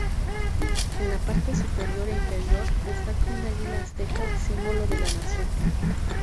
En la parte superior e inferior destaca un águila azteca, símbolo de la nación.